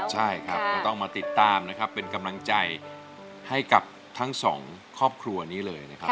ใช่ครับก็ต้องมาติดตามนะครับเป็นกำลังใจให้กับทั้งสองครอบครัวนี้เลยนะครับ